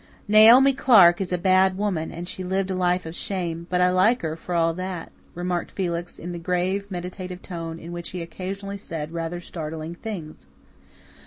"Naomi Clark is a bad woman and she lived a life of shame, but I like her, for all that," remarked Felix, in the grave, meditative tone in which he occasionally said rather startling things.